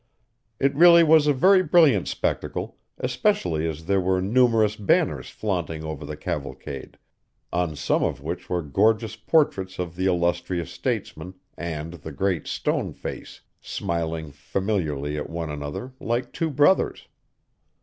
It really was a very brilliant spectacle, especially as there were numerous banners flaunting over the cavalcade, on some of which were gorgeous portraits of the illustrious statesman and the Great Stone Face, smiling familiarly at one another, like two brothers.